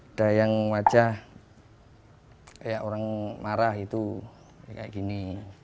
ada yang wajah kayak orang marah itu kayak gini